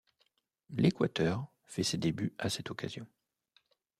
L'Équateur fait ses débuts à cette occasion.